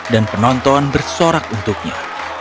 dan penonton bersorak untuknya